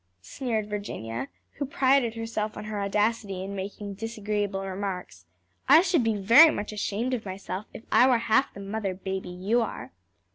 sneered Virginia, who prided herself on her audacity in making disagreeable remarks. "I should be very much ashamed of myself if I were half the mother baby you are."